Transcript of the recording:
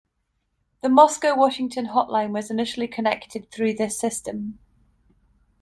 The Moscow-Washington hotline was initially connected through this system.